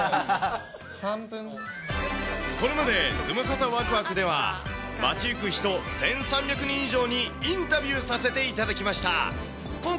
これまでズムサタわくわくでは街行く人１３００人以上にインタビューさせていただきました。